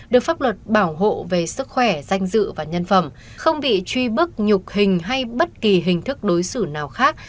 được pháp luật bảo hộ về sức khỏe danh dự và nhân phẩm không bị truy bức nhục hình hay bất kỳ hình thức đối xử nào khác